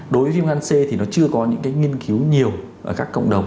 đối với vnc thì nó chưa có những nghiên cứu nhiều ở các cộng đồng